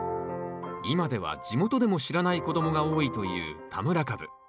今では地元でも知らない子供が多いという田村かぶ。